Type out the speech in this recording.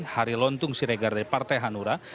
hari lontung siregar dari partai hanura